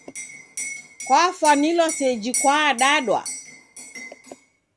Kwafwanilwa seji kwaadadwa.